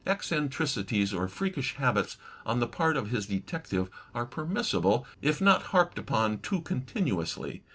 Eccentricities or freakish habits on the part of his detective are permissible if not harped upon too continuously.